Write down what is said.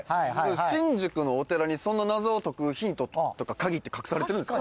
新宿のお寺にその謎を解くヒントとか鍵って隠されてるんですか？